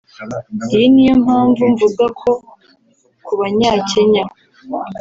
Iyi ni yo mpamvu mvuga ko ku banyakenya